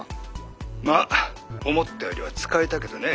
「まっ思ったよりは使えたけどね。